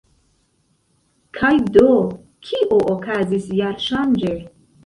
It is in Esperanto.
Kaj do, kio okazis jarŝanĝe?